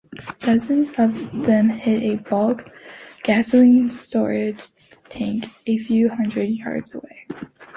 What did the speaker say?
Dozens of them hit a bulk gasoline storage tank a few hundred yards away.